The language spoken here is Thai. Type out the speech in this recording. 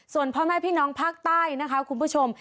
ส่วนพ่อแม่พี่น้องภาคใต้นะคะคุณผู้ชม